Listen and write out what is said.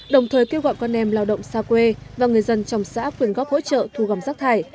đồng thời kêu gọi con em lao động xa quê và người dân trong xã quyên góp hỗ trợ thu gom rác thải